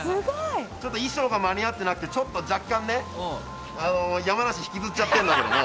ちょっと衣装が間に合ってなくてちょっと若干、山梨引きずっちゃっているんだけども。